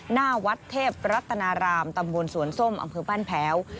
หน้าวัดเทพรัตนารามตำบลสวนส้มอำเภอบ้านแพ้ว